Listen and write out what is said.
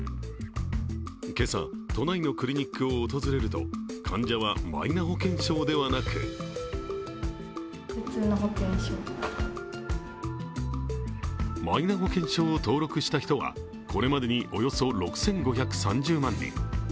今朝、都内のクリニックに訪れると、患者はマイナ保険証ではなくマイナ保険証を登録した人はこれまでにおよそ６５３０万人。